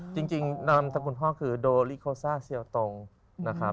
นามสกุลพ่อคือโดลิโคซ่าเซียลตรงนะครับ